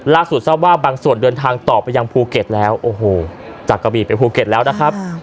ทราบว่าบางส่วนเดินทางต่อไปยังภูเก็ตแล้วโอ้โหจากกะบีไปภูเก็ตแล้วนะครับ